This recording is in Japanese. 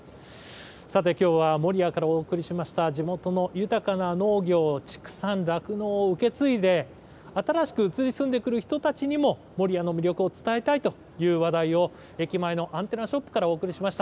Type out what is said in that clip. さてきょうは守谷からお送りしました、地元の豊かな農業、畜産、酪農を受け継いで新しく移り住んでくる人たちにも守谷の魅力を伝えたいという話題を駅前のアンテナショップからお送りしました。